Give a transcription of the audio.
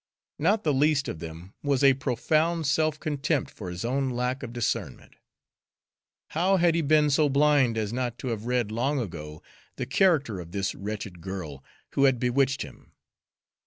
Not the least of them was a profound self contempt for his own lack of discernment. How had he been so blind as not to have read long ago the character of this wretched girl who had bewitched him?